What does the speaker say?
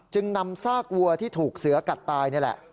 จึงนำซากวัวที่ถูกเสือกัดตายนี่แหละ